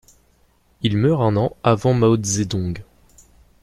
Il meurt un an avant Mao Zedong.